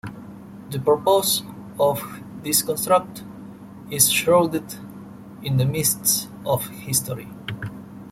The purpose of this construct is shrouded in the mists of history.